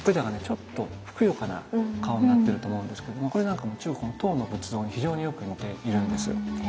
ちょっとふくよかな顔になってると思うんですけどこれなんかも中国の唐の仏像に非常によく似ているんです。